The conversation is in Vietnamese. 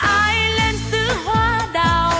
ai lên sứa hoa đào